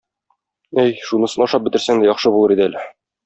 Әй, шунысын ашап бетерсәң дә яхшы булыр иде әле.